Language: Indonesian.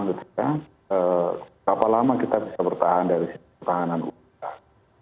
berapa lama kita bisa bertahan dari pertahanan udara